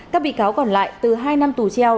các bị cáo còn lại từ hai năm tù treo